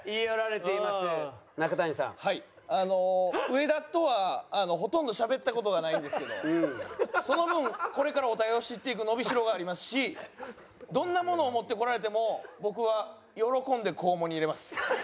植田とはほとんどしゃべった事がないんですけどその分これからお互いを知っていく伸び代がありますしどんなものを持ってこられても僕は喜んで肛門に入れます。